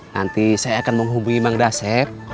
nanti saya akan menghubungi bang dasep